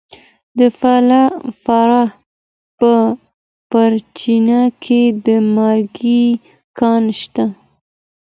د فراه په پرچمن کې د مالګې کان شته.